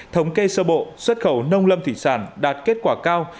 thống kê sơ bộ xuất khẩu nông lâm thủy sản đạt kết quả cao